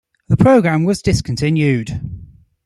The program was discontinued.